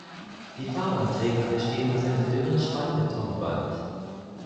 Die Fahrbahnträger bestehen aus einem dünnen Spannbetonband.